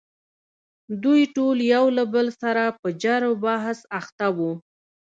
دوی ټول یو له بل سره په جر و بحث اخته وو.